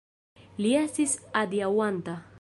Li estis adiaŭanta.